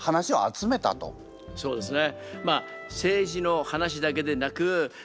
そうですね。